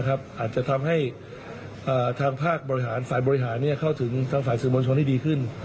อาจจะทำให้ทางภาคบริหารฝ่ายบริหารเข้าถึงทางฝ่ายสื่อมวลชนที่ดีขึ้น